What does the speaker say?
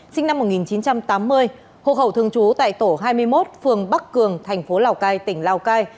sinh năm một nghìn chín trăm tám mươi hộ khẩu thương chú tại tổ hai mươi một phường bắc cường tp lào cai tỉnh lào cai